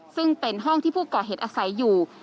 ซึ่งเป็นห้องที่ผู้ก่อเหตุอาศัยอยู่